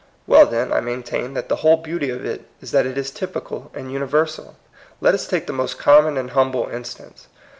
Well, then, I maintain that the whole beauty of it is that it is typical and universal. Let us take the most common and humble in stance.